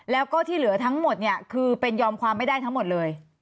แล้วก็ที่เหลือทั้งหมดเนี่ยคือเป็นยอมความไม่ได้ทั้งหมดเลย